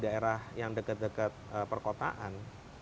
daerah yang dekat dekat perkotaan